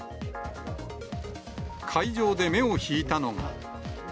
会場で目を引いたのが。